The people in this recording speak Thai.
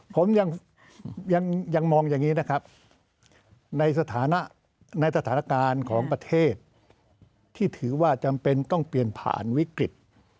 ผมยังมองอย่างนี้นะครับในสถานะในสถานการณ์ของประเทศที่ถือว่าจำเป็นต้องเปลี่ยนผ่านวิกฤต